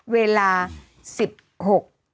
เวลา๑๖๕๔น